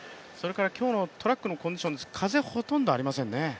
今日のトラックのコンディション、風、ほとんどありませんね。